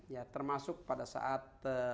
ya termasuk pada saat